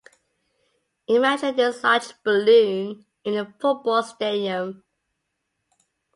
Imagine this large balloon in a football stadium.